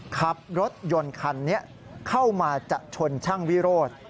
ขับรถยนต์คันนี้เข้ามาจะชนช่างวิโรธ